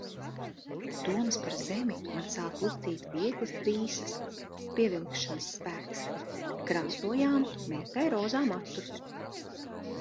Domas par zemi man sāk uzdzīt vieglas trīsas. Pievilkšanas spēks. Krāsojām meitai rozā matus.